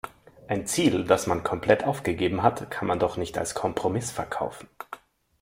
Ein Ziel, das man komplett aufgegeben hat, kann man doch nicht als Kompromiss verkaufen.